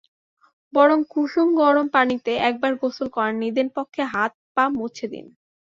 বরং কুসুম গরম পানিতে একবার গোসল করান, নিদেনপক্ষে হাত-পা মুছে দিন।